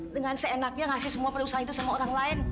dengan seenaknya ngasih semua perusahaan itu sama orang lain